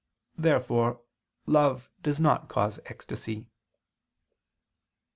Therefore love does not cause ecstasy.